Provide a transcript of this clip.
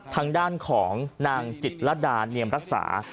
ทางด้านของนางจิตรดาเนียมรักษา